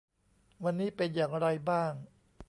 วันนี้เป็นอย่างไรบ้าง